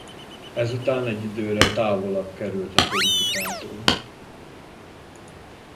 Ezután egy időre távolabb került a politikától.